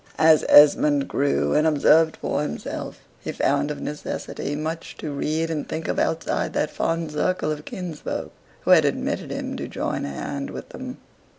As Esmond grew, and observed for himself, he found of necessity much to read and think of outside that fond circle of kinsfolk who had admitted him to join hand with them.